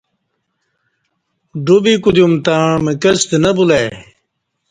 ڈوبی کودیوم تݩع مکستہ نہ بُلہ ای